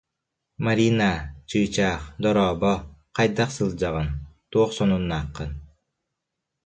Марина, чыычаах, дорообо, хайдах сылдьаҕын, туох сонуннааххын